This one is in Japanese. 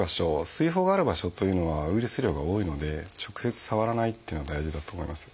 水疱がある場所というのはウイルス量が多いので直接触らないっていうのは大事だと思います。